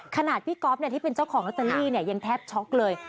ขนาดพี่ก๊อฟที่เป็นเจ้าของลอตเตอรี่ยังแทบช็อกเลย